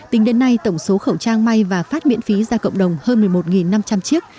tính đến nay tổng số khẩu trang may và phát miễn phí ra cộng đồng hơn một mươi một năm trăm linh chiếc